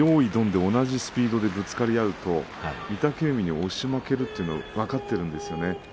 で同じスピードでぶつかり合うと御嶽海に押し負けるということが分かっているんですね。